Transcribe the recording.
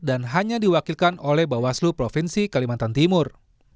dan hanya diwakilkan oleh bawaslu provinsi kalimantan timur